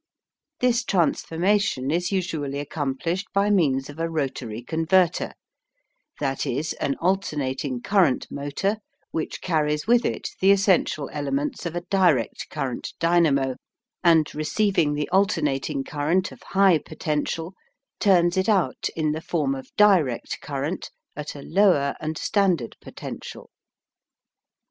This transformation is usually accomplished by means of a rotary converter, that is, an alternating current motor which carries with it the essential elements of a direct current dynamo and receiving the alternating current of high potential turns it out in the form of direct current at a, lower and standard potential.